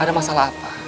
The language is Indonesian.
ada masalah apa